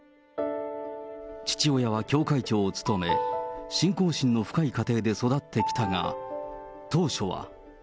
父親は教会長を務め、信仰心の深い家庭で育ってきたが、当初は。